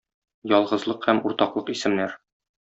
Ялгызлык һәм уртаклык исемнәр.